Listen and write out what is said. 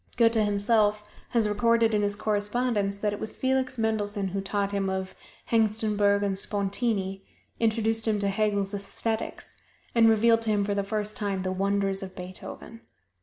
Goethe himself has recorded in his correspondence that it was Felix Mendelssohn who taught him of Hengstenberg and Spontini, introduced him to Hegel's "Æsthetics," and revealed to him for the first time the wonders of Beethoven.